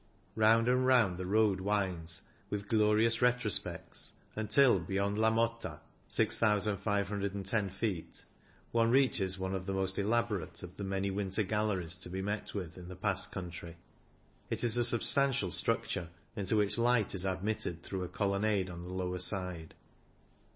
Round and round the road winds, with glorious retrospects, until, beyond La Motta (6,510 ft), one reaches one of the most elaborate of the many winter galleries to be met with in the Pass country. It is a substantial struc ture, into which light is admitted through a colonnade on the lower side.